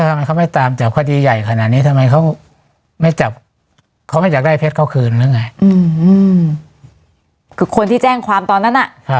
ทำไมเขาไม่ตามจับคดีใหญ่ขนาดนี้ทำไมเขาไม่จับเขาไม่อยากได้เพชรเขาคืนหรือไงคือคนที่แจ้งความตอนนั้นน่ะ